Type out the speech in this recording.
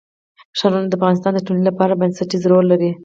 ښارونه د افغانستان د ټولنې لپاره بنسټيز رول لري.